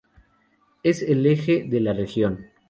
Es el eje de la región.